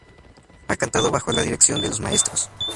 Ha cantado bajo la dirección de los maestros.